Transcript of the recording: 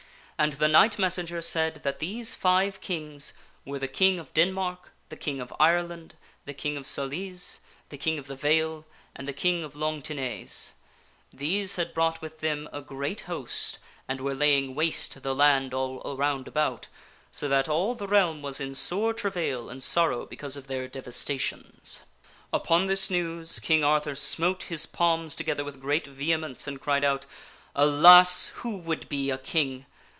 And the knight messenger said that these five kings were the King of Denmark, the King of Ireland, the King of Soleyse, the King of the Vale, and the King of Longtinaise. These had brought with them a great host and were laying waste the land all around about, so that all the realm was in sore travail and sorrow because of their devastations. Upon this news, King Arthur smote his palms together with great vehemence and cried out, "Alas! who would be a king!